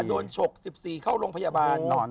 โดนฉก๑๔เข้าโรงพยาบาลนอน